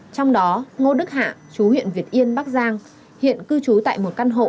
trong đó ngô đức hạ chú huyện việt yên bắc giang hiện cư trú tại một căn hộ